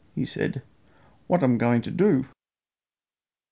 he said. "What um going to do?"